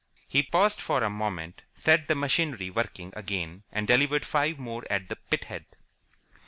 He paused for a moment, set the machinery working again, and delivered five more at the pithead.